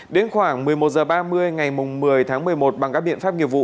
đến khoảng một mươi một h ba mươi ngày một mươi tháng một mươi một bằng các biện pháp nghiệp vụ